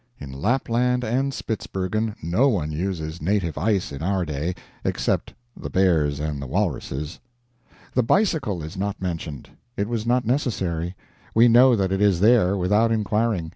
In Lapland and Spitzbergen no one uses native ice in our day, except the bears and the walruses. The bicycle is not mentioned. It was not necessary. We know that it is there, without inquiring.